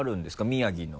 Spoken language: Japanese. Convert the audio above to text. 宮城の。